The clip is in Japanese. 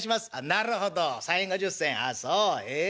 「なるほど３円５０銭あっそうへえ。